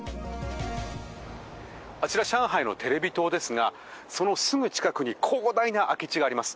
あちら上海のテレビ塔ですがそのすぐ近くに広大な空き地があります。